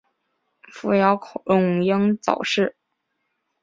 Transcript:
父姚孔瑛早逝。